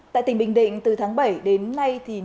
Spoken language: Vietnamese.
tại tỉnh bình định từ tháng bảy đến nay